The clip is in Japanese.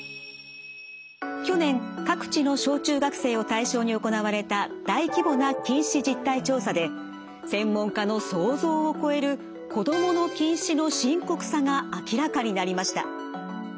去年各地の小中学生を対象に行われた大規模な近視実態調査で専門家の想像を超える子どもの近視の深刻さが明らかになりました。